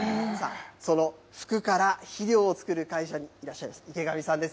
その服から肥料を作る会社にいらっしゃいます池上さんです。